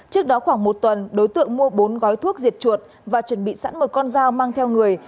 trước đó khoảng một tuần đối tượng mua bốn gói thuốc diệt chuột và chuẩn bị sẵn một con dao mang theo người